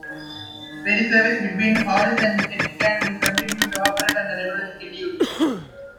Ferry service between Hollis and Ketchikan will continue to operate on a regular schedule.